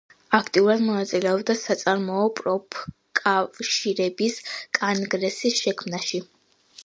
აქტიურად მონაწილეობდა საწარმოო პროფკავშირების კონგრესის შექმნაში.